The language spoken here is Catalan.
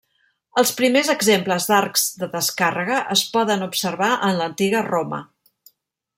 Els primers exemples d'arcs de descàrrega es poden observar en l'antiga Roma.